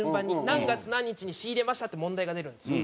何月何日に仕入れましたって問題が出るんですよ。